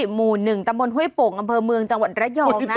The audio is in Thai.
หมู่๑ตำบลห้วยโป่งอำเภอเมืองจังหวัดระยองนะ